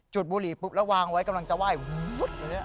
บุหรี่ปุ๊บแล้ววางไว้กำลังจะไหว้